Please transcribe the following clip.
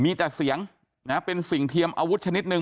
มีแต่เสียงนะเป็นสิ่งเทียมอาวุธชนิดหนึ่ง